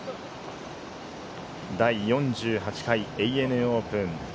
第４８回ＡＮＡオープン。